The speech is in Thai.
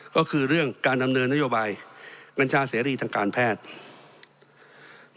ก็คือเรื่องการดำเนินนโยบายกัญชาเสรีทางการแพทย์